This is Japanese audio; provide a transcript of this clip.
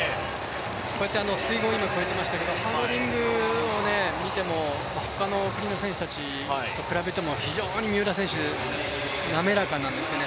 こうやって水濠越えていましたけど、ハードリングを見ても他の国の選手たちと比べても非常に三浦選手、滑らかなんですよね。